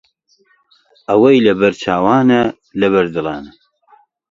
ئەوەی لەبەر چاوانە، لەبەر دڵانە